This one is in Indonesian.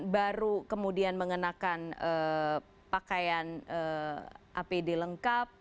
baru kemudian mengenakan pakaian apd lengkap